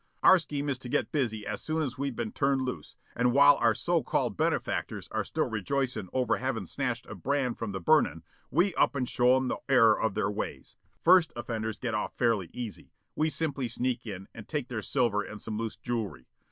Our scheme is to get busy as soon as we've been turned loose and while our so called benefactors are still rejoicin' over havin' snatched a brand from the burnin', we up and show 'em the error of their ways. First offenders get off fairly easy. We simply sneak in and take their silver and some loose jewelry.